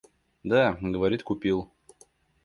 Да, говорит, купил.